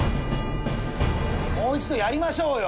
もう一度やりましょうよ！